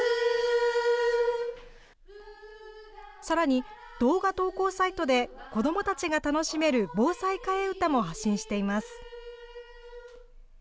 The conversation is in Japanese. さらに動画投稿サイトで子どもたちが楽しめる防災替え歌も発信しています。